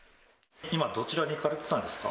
今、どちらに行かれてたんですか？